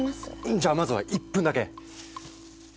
じゃあまずは１分だけ！